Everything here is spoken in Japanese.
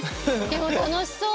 でも楽しそう。